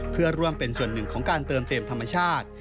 เพื่อร่วมเป็นส่วนหนึ่งของการเติมเต็มธรรมชาติ